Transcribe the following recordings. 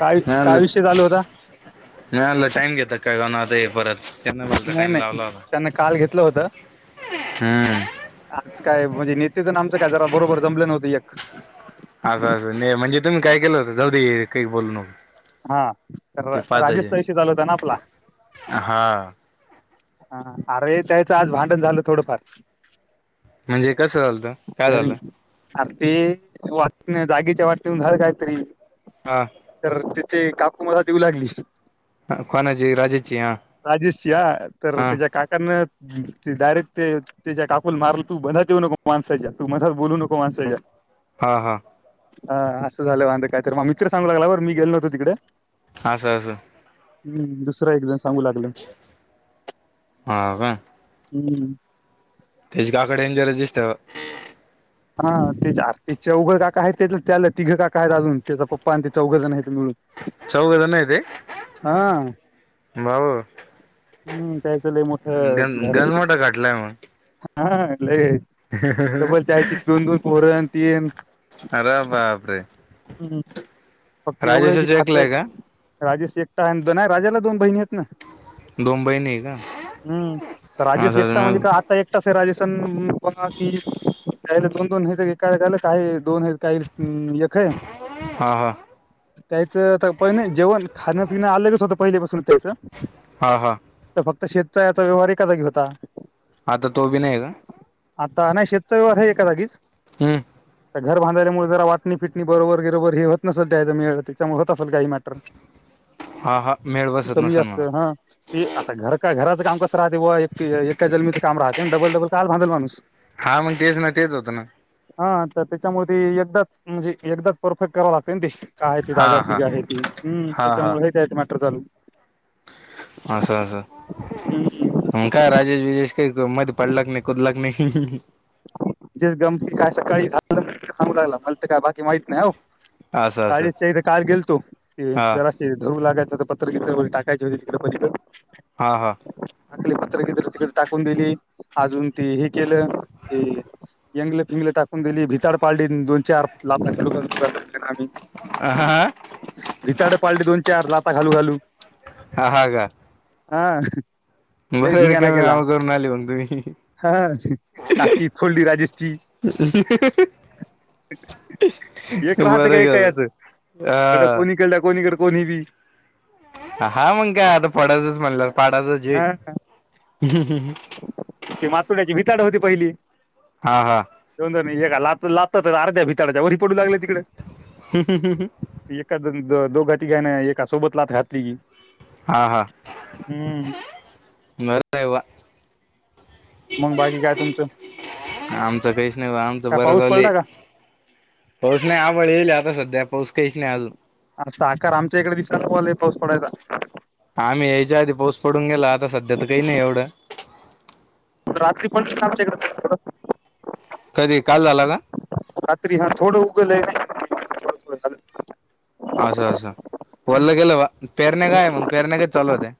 काय नाहीलं काय विषय चालू होता नाहीलं टाईम घेतात काय काण आता परत. त्यांना बोलता नाही टाइम नाही लावला होता त्यांन काल घेतलं होत. हम्म आज काय म्हणजे नेतेच ना आमचं काय जरा बरोबर जमलं नव्हत एक. असं असं नाही म्हणजे तुम्ही काय केलं होत जाऊ काही बोल नक. हा तर राजेशचा विषय चालू होता ना आपला. हा ह अरे त्याचं आज भांडण झालं थोडंफार. म्हणजे कसं झालतं काय घरी झालं आर ते वा जागेच्या वाटवर झालं काहीतरी हा तर त्याचे काकू मला देऊ लागली. ह कोनाची राजेश ची हा, तरर हा तझ्या काकान, डायरेक्ट ते त्याच्या काकूला मारलं तू बधात येऊ नको माणसायच्या तू मधत बोलू नको माणसायच्या. हा हा. हा असं झालं वांद काय तर मा मित्र सांगू लागला बर मी गेलो नव्हो तिकडे. असस अससं. हम् दुसरा एकजण सांगू लागलं. हा का. हम्म. तेजे काका डेंजरच दिसत्या बा. हा ते ते चौघ काका आहेत त्या त्याला तिघं काका आहेत अजून त्याचा पप्पा आणि ते चौघजण आहेत मिळून. चौघज हाय ते हा भाऊ. हम्म त्याचं लय मोठं गन गनमोठा खटलाय मग. हा हा. लगे तबल त्यायची दोन दोन पोरण तीन [inaudible] [inaudible] अरे बापरे हम्म फक्त एवढं की राजेशच खात एकला आहे का राजेश एकटा आहे दो राजाला दोन बहिणी आहेत ना [inaudible] दोन बहिणी आहे का हम्म तर राजेश एकटा असं म्हणजे का आता एकटाचं - तर राजस्थान पहा की त्याला दोन दोन आहेत एका काय दोन काय हम्म एक हाय. हा हा त्यायचं आता पहिना जेवण खाण्या पिणं अलगच होतं पहिलेपासून त्याचं हा हा तर फक्त शेतचा याचा व्यवहारकी कदा घीत होता. आता तो बी नाही का? आता नाय शेतचा व्यवहार आहे एका जागीच हम्म आता घर बांधायल्यामुळे जरा वाटणी फिटणी बरोबर गिरोबर हे होत नसल त्याज्यामध्ये त्याच्यामुळ होत असेल काही मॅटर हा हा मेळ बसत कमी नसेल जास्त म्हणा हा ते आता घर का घरात काम कसं राहते बुआ एक एका ज्मीचं काम राहतय ना डबल डबल काआळा बांधल माणूस हा मग तेच ना तेच होतं ना हा तर त्याच्यामुळे एकदाच म्हणजे एकदाच परफेक्ट कराव लागतय ते का आहे ती हा जागा हा पिगा आहे ती हम्म हा हा त्याच्यामुळ आहे कायतरी त मॅटर चालू असं असं हम्म म काय राजेश बिजेश काय मधी पडला की नाही कुदला का नाई ह हं हं जे जमती काय सकाळी झालं सांगू रायला मला तर काय बाकी माहित नाय हो. असं असं राजेश च्या इथं काल गेलतो तिध हा जरा धुवू लागायच होतं प त्र टाकायची होते तिकड पलीकड हा हा टाकळे पत्र बित्र तिकड टाकून दिली अजून ती हे केलं ते यंगल फिंगले टाकून दिली भिताड पाडली दोन चार ला [unintelligible] [unintelligible] भिताड पाडली दोन चार लाता घालू घालू हा हा का? हा लय बरं धिंगाणा रिकामी केला. काम करून आली मग तुम्ही हा टाकी चं खोंडी राजेची एक राहते का एक याचं [unintelligible] कोणी केल कोणी करत कोणी बी हा मंग काय आता फोडाचच म्हणल्यावर पाडायचचये ही मातुड्याची भिताड होती पहिली. हा हा नाही ऐका लात लातात अर्ध्या भिताडाच्या वरी पडू लागल्या तिकड एखाद दो दोघा तीघान एका सोबत लात घातली की हा हा हम्म. [unintelligible] मग बाकी काय तुमचं आमचं काहीच ना बा आमचं काय बर पाऊस झालेय. पडला का पाऊस नाय आबळ येयलय आता सध्या पाऊस काहीच नाही अजून आता आकार आमच्या इकड दिसाले बुआ लय पाऊस पडायला. आम्ही यायच्या आधी पाऊस पडून गेला आता सध्या तर काही नाही एवढं. रात्री पड आमच्याकडं थोड थोड कधी काल झाला का? रात्री हा थोडं उगं लय नाही थोडं थोडं झालं असं असं हम्म वल्ल केलं बां पेरण्या काय मग पेरण्या कधी चालू होत्या.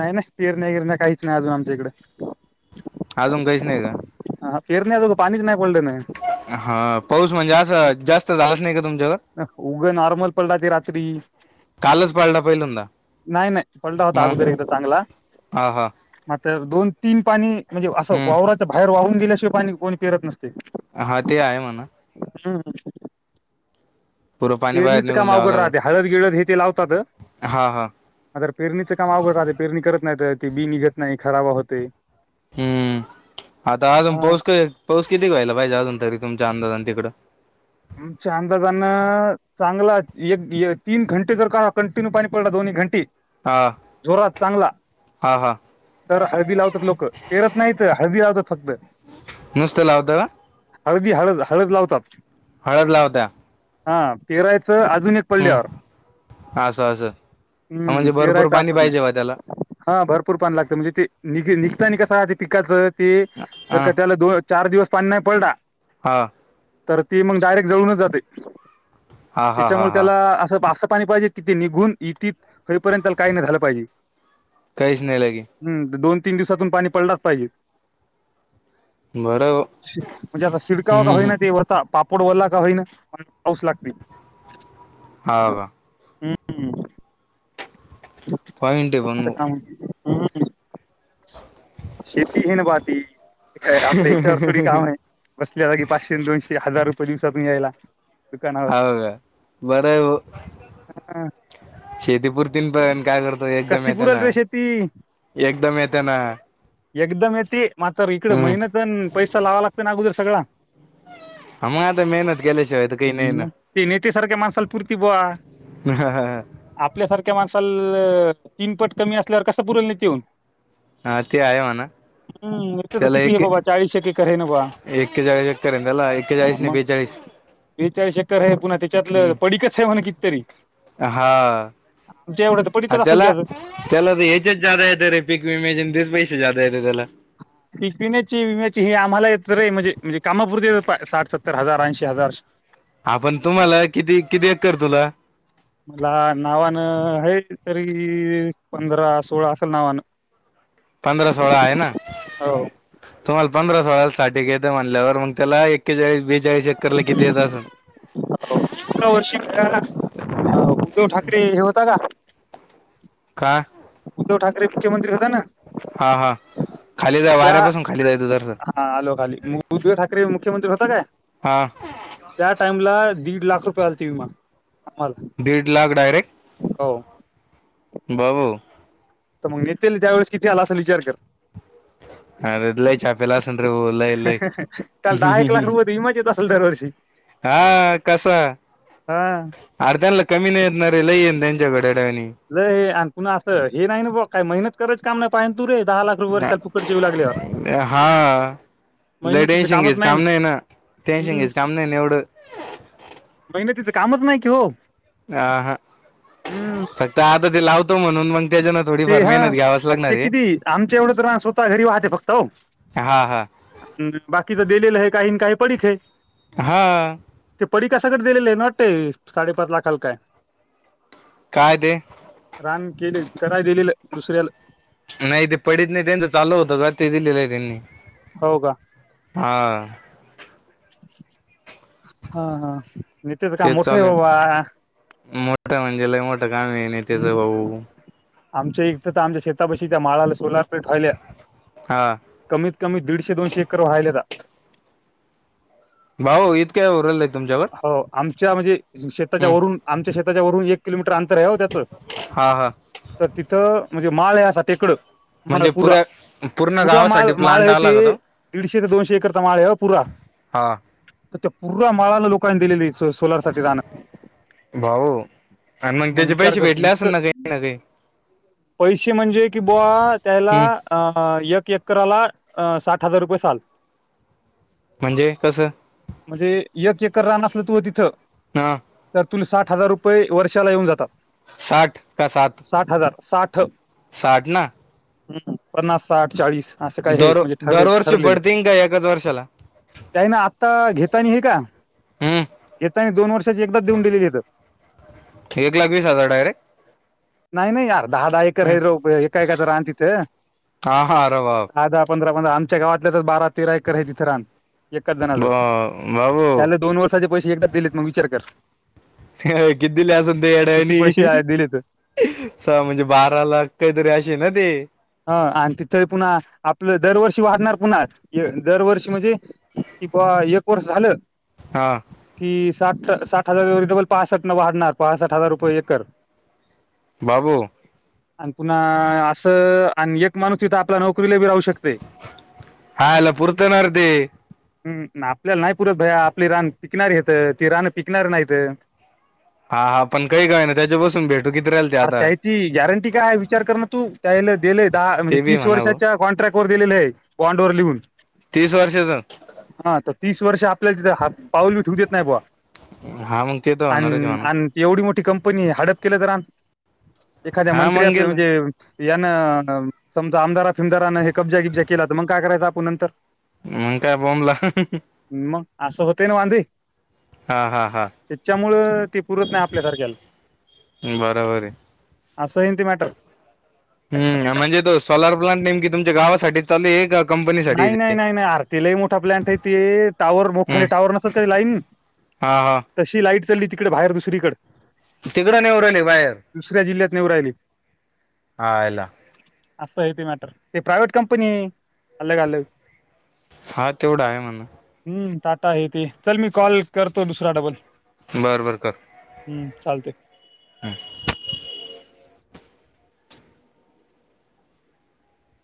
नाय नाय पेरण्या बिरण्या काहीच नाही अजून आमच्या इकड अजून काहीच नाही का? अहा पेरण्या तो पाणी चं नाही बोलड ना हा पाऊस म्हणजे असं जास्त झालाच नाही क अ उगं नॉर्मल पडला ते रात्री कालच पडला पहिल्यांदा नाय नाय पडला होता मग अगोदर एकदा चांगला हा हा तर दोन तीन पाणी म्हणजे असं हम्म वावराच्या बाहेर वाहून गेल्याशिवाय पाणी कोणी पेरत नसते हा ते आहे म्हणा हम् ह पुरं पाणी बाहेर पेरणीचं काम निघून द्यावं अवघड लागल राहते हळद गिळत हे ते लावतात हा हा पेरणीच काम अवघड रा पेरणी करत नाही ते बी निघत नाही खराबा होते हम्म आता अजून हा पाऊस पाऊस कितीक व्हाला पाहिजे अजून तरी तुमच्या अंदाजां तिकडं आमच्या अंदाजान चांगला एक तीन घंटे जर का कंटिन्यू पाणी पडला दोन्ही घंटी हा जोरात चांगला हा हा तर हळदी लावतात लोक परत नाहीत हळदी लावतात फक्त नुसतं लावता का हळदी हळद हळद लावतात हळद ला होत्या हा पेरायचं अजून एक पल्ड्यावर अस म्हणजे भरपूर पाणी नाही पाहिजे वा त्याला हा भरपूर पान लागत म्हणजे ते निघ निघता नििकसा ते पिकाच ते जर हा का त्याला दोन चार दिवस पाणी नाही पलड हा तर ती मग डायरेक्ट जळूनच जाते हा हा हा त्याच्यामुळे हा त्याला असं अस पाणी पाहिजेत कि ते निघून इथ रीपर्यंत काही नाही झालं पाहिजे् काहीच नाही लगे दोन तीन दिवसातून पाणी पडलाच पाहिजे बरं हो म्हणजे आता शिडकावता हम्म होई हम्म ना ते वरता पाप पोड वला का होईना पाऊस लागते हो का हम्म पॉईंट बघ ह् शेतीही न पाती य आपल्या याच्यावर थोडी काम आहे बसल्या जागी पाचशे दोनशे ते हजार रुपये दिवसात नाही यायला दुकानावर ह का बरं हा, शेतीपुरती पण काय करतो एकदम कशी पुरेल येेतना रे शेती एकदम येतना एकदम येते मात्र इकड महिनतण पैसा लावा लागतो ना अगोदर सगळा हा मग आता मेहनत केल्याशिवाय तर काही नाही ह् ना मग ते नेत सारख्या माणसाला पुरती बवा आपल्यासारख्या माणसाल तीन पट कमी असल्यावर कस पुरल नाही येऊन हा ते आहे म ना हम् इथे तर किती आहे बाबा चाळीसशक्के के ना बा एक्ेचाळीस चक्करला एेचाळीस बेचाळीस ब्रेचाळीस एटर आहे पुन्हा हम्म त्याच्यातलं पडीकच आहे म्हण कितरी ह त्याला त्याला तर या्याच्याच जादा येत रे पिक विमेजन तेीस पैसे जादा येत त्याला पी पिण्याची विम्याची हे आम्हाला येत रे म्हणजे म्हणजे कामापुरती येत साठ सत्तर हजार ऐंशी हजार अ कर्दला मला नावानं आहे तरी पंधरा सोळा असेल नावानं पंधरा सोळा आहे ना हो तुम्हाला पंधरा सोळा साठी घेतं म्हनल्यावर मग त्याला एकेच वेळीस बि जाय चक्कर लागते तर इतका वर्षीला उद्धव ठाकरे हे होता का का उद्धव ठाकरे मुख्यमंत्री होता ना हा हा खाली जा त्या वाऱ्यापासून खाली जायचं जरासं हा आलो खाली उद्धव ठाकरे मुख्यमंत्री होता काय? हा त्या टाइमला दीड लाख रुपये झालते विमा आम्हाला दीड लाख डायरेक्ट हो बाबो त मग नेत्याला त्यावेळेस किती आला असल विचार कर अरे लय छापेला असेल रे भाऊ लय लय हहह त्याला दहा एक लाख रुपये विमाच येत अस दरवर्षी हा कसा हा अर्ध्यांला कमी नाही येतणारे लई येन त्यांच्याकड लय आण पुुन असं हे नाही ना बॉ काय मेहनत कररायच काम नाही पाय तू रे दहा लाख रुपयाे फुकटचे येऊ लागले हा लय मेहनतीचं टेन्शन कामच घ्यायचं नाही ना काम टेन्शन हम् घ्यायचं काम नाही ना एवढं मेहनतीचं कामच नाही की हो ह हा हम्म फक्त आता ते लावतो म्हणून मग त्याच्यानं ते थोडीफार हा मेहनत घ्यावाच लागणार ते आहे किती आमच्या एवढं तर ना स्वतः घरी वाहते फक्त हो हा हा आणि बाकी तर दिलेलं आहे काही काही पडीक आहे हा पडीक का सगड दिलेले आहे ना वाटते साडेपाच लाखाल काय काय ते काम केले कराय दिले दुसऱ्याला नाही ते पडत नाही त्यांच चालू होत का ते दिलेलं आहे त्यांनी हो का हा हा हा नित्या च् काम तेच मोठ ये चालेल बाबा मोठं म्हणजे लय मोठं काम आहे नित्याच हम्म भाऊ आमच्या एक तर तर आमच्या शेतापाशी त्या माळाला सोलार हा कमीत कमी दीडशे दोनशे एकर व्हायल्याता भाऊ इतक्या होऊ राहिल्या हो आमच्या म्हणजे शेताच्या हम्म वरून आमच्या शेताच्या वरून एक किलोमीटर अंतर आहे हो त्याच हा हा तर तिथं म्हणजे माळ य अस टेकड माळ म्हणजे पुरा, पुऱ्या पूर्ण पुरा माळ गावासाठी माळ प्लांट आहे ते आला का तो दीडशे ते दोनशे एकरचा माळ आहे व पुरा हा तर त्या पुूर्रा माळाला लोकांनी दिलेली सोलार साठी राहणं भाऊ आणि मग त्याचे विचार पैसे करतो भेटले असेल इतकं ना काही ना काही पैसे म्हणजे की बुवा त्याला हम्म अ य एकराला साठ हजार रुपये साल. म्हणजे कसं म्हणजे एक एकर रान असल तू तिथं हा तर तुला साठ हजार रुपये वर्षाला येऊन जातात. साठ का साात साठ हजार साठ साठ ना हम्म पन्नास साठ चाळीस असं काय हे दर म्हणजे ठर दरवर्षी ठरलेलं पडतीन का एकाच वर्षाला त्याही ना आता घेत हे का हम्म येतानी दोन वर्षाची एकदा देऊन दिलेली येत एकलाख वीस हजार डायरेक्ट नाही नाही यार दहा दहा एकर हम्म ह एका एकाचं रान तिथ हा हा अरे बाप दहा दहा पंधरा ण आमच्या गावातल्या च् च बारा तेरा एकर आहे त इथं रान एकाच जणच बाबू त्या दोन वर्षांचे पैसे एकदा दिलेत मग विचार कर. हह हा किती दिल असल त्या किती पैसे येदयामी. आहे दिलेत स म्हणजे बारा लाख काहीतरी अशीे ना ते ह आणि तिथे पुन्हा आपलं दरवर्षी वाटणार पुन्हा दरवर्षी म्हणजे कि बा एक वर्ष झालं हा कि साठ साठ हजार जवल पासष्ट न वाढणार पासष्ट हजार रुपये एकर बाबू आणि पुन्हा असं आणि एक माणूस तिथं आपल्या नोकरीला बी राहू शकतो हाला पुरत नाार ते हम् आपल्याला नाही पुरत भया आपली रान पिकणार घेत ती रान पिकणार नाहीत हा हा पण काही काय ना त्याच्यापासून भेटू किती राहिल ते अर आता त्याची गॅरंटी काय विचार करणं तू त्याला दिले दहा म्हणजे ते बी तीस म्हणा भाऊ वर्षाच्या कॉन्ट्रॅक्ट वर दिलेले आहे बॉनड ववर लिहून तीस वर्षाच हा तर तीस वर्ष आपल्याला तिथं ह पाऊल ब ठेव देत नाही बवा हा मग ते तर होणारच आणि म्हणा आणि एवढी मोठी कंनी हडप के एखा्या हा मग मणज गेलं समज आमारा फिमदाराने हे क्जा किबज्या केला तर मग काय करायचं आपण नंतर मं काय बमला मग असं होतय ना वांधे हा हा हा त्याच्यामुळं ती पुरत नाही आपल्यासारख्याला बरोबर आहे अस सं हती मॅटर हम् म्हणजे तो सोलार प्लांट नेमकीि तुमच्या गावासाठी चालू आहे कंपनीसाठी नाही ते नाही नाही नाही आरतीलाही मोठा प्लॅंट य ते टावर हम्म मोठाले टावर नसत काही लाईन हा हा तशी लाईट चालली तिकडे बाहेर दुसरीकडे तिकडं नाही उरहिली बाहेर दुसऱ्या जिल्ह्यात राहिली आयला असं आहे ते मॅटर. ते प्रायव्हेट कंपनी आहे अलग अलग. हा तेवढा आहे म्हण. हम् टाटा आहे ते चल मी कॉल करतो दुसराडबल. बरं बर करून.